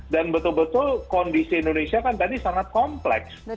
dan betul betul kondisi indonesia kan tadi sangat kompleks